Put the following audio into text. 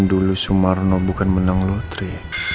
dulu sumarno bukan menang lutri